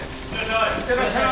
いってらっしゃい。